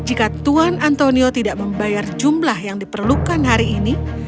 jika tuan antonio tidak membayar jumlah yang diperlukan hari ini